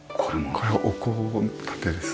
これお香立てですね。